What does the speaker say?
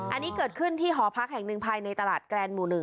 อันนี้เกิดขึ้นที่หอพักแห่งหนึ่งภายในตลาดแกรนหมู่๑